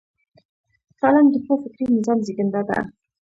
قلم د ښو فکري نظام زیږنده ده